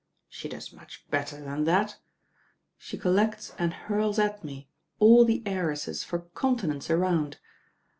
She does much better than that. She collects and hurls at me all the heiresses for continents round.